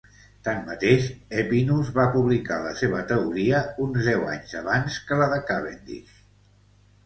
Tanmateix, Aepinus va publicar la seva teoria uns deu anys abans que la de Cavendish.